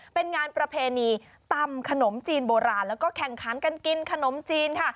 เป็นงานประเพณีตำขนมจีนโบราณแล้วก็แข่งขันกันกินขนมจีนค่ะ